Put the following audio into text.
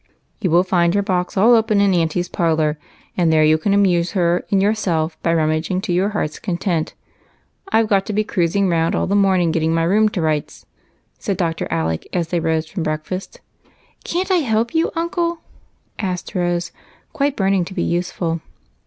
" You will find your box all open up in auntie's parlor, and there you can amuse her and yourself by rum maging to your heart's content ; I 've got to be cruising round all the morning getting my room to rights," said Dr. Alec, as they rose from breakfast. 52 EIGHT COUSINS. " Can't I help you, uncle ?" asked Rose, quite burn ing to be useful.